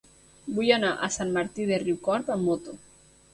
Vull anar a Sant Martí de Riucorb amb moto.